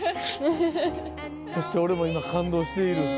そして俺も今感動している。